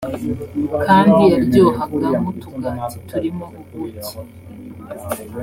kandi yaryohaga nk’utugati turimo ubuki.